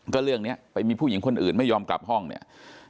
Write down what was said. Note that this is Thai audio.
ก็เรื่องนี้ไปมีผู้หญิงคนอื่นไม่ยอมกลับห้องเนี่ย